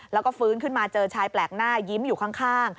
แล้วก็ฟื้นขึ้นมาเจอชายแปลกหน้ายิ้มอยู่ข้าง